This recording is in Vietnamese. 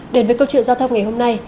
đến với câu chuyện giao thông ngày hôm nay